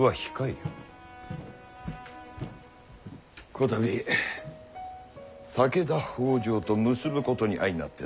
こたび武田北条と結ぶことに相なってな。